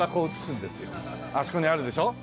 あそこにあるでしょ？